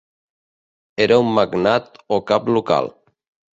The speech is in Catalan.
Era un magnat o cap local.